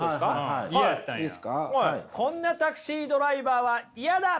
こんなタクシードライバーはイヤだ！